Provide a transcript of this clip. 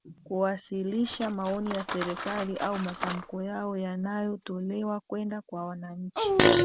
Kuwasilisha maoni ya serikali au matamko yao yanayotolewa kwenda kwa wananchi